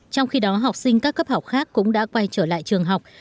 trong khi đó học sinh các cấp học khác cũng đã quay trở lại trường học